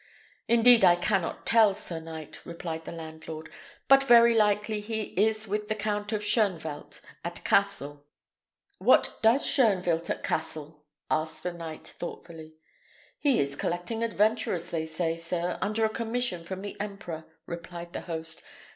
"Indeed I cannot tell, sir knight," replied the landlord; "but very likely he is with the Count of Shoenvelt, at Cassel." "What does Shoenvelt at Cassel?" asked the knight thoughtfully. "He is collecting adventurers, they say, sir, under a commission from the emperor," replied the host.